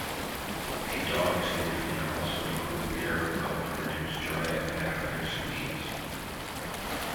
A dog tooth can also improve airflow and reduce drag at higher speeds.